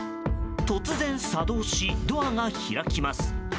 突然作動しドアが開きます。